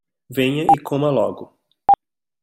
Venha e coma logo